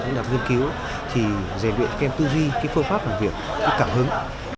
những đặc nghiên cứu thì dành viện khen tư duy cái phương pháp làm việc cái cảm hứng